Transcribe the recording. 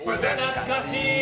懐かしい！